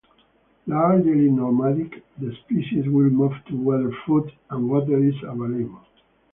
Largely nomadic, the species will move to where food and water is available.